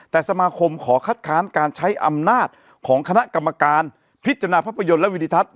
แต่สมาคมขอคัดค้านการใช้อำนาจของคณะกรรมการพิจารณาภาพยนตร์และวิทัศน